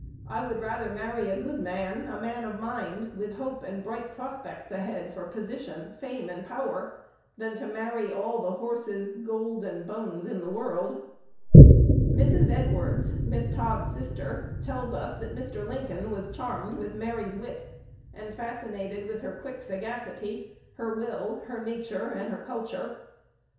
I would rather marry a good man, a man of mind, with hope and bright prospects ahead for position, fame, and power, than to marry all the horses, gold, and bones in the world." Mrs. Edwards, Miss Todd's sister, tells us that Mr. Lincoln "was charmed with Mary's wit and fascinated with her quick sagacity, her will, her nature and culture."